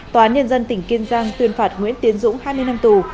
tòa án nhân dân tỉnh kiên giang tuyên phạt nguyễn tiến dũng hai mươi năm tù